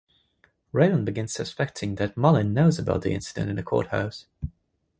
Raylan begins suspecting that Mullen knows about the incident in the courthouse.